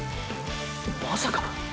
まさか！